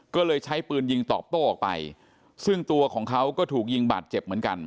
ก็เลยใช้ปืนยิงตอบโต้ออกไปซึ่งตัวของเขาก็ถูกยิงบาดเจ็บเหมือนกัน